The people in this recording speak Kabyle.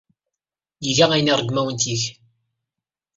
Iga ayen ay iṛeggem ad awen-t-yeg.